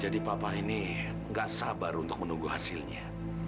jadi papa ini nggak sabar untuk menunggu hasilnya